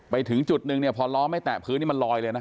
ไปถึงจุดนึงเนี่ยพอล้อไม่แตะพื้นนี่มันลอยเลยนะ